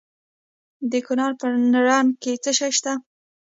د کونړ په نرنګ کې څه شی شته؟